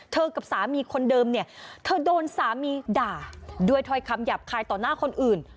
กับสามีคนเดิมเนี่ยเธอโดนสามีด่าด้วยถ้อยคำหยาบคายต่อหน้าคนอื่น